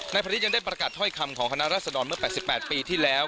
พระฤทธยังได้ประกาศถ้อยคำของคณะรัศดรเมื่อ๘๘ปีที่แล้ว